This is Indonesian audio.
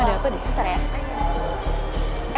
ada apa tuh